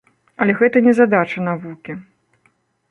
Але гэта не задача навукі.